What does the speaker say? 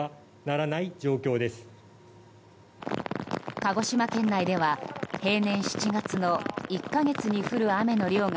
鹿児島県内では平年７月の１か月に降る雨の量が